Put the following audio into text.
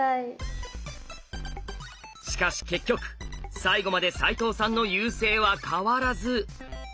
しかし結局最後まで齋藤さんの優勢は変わらず。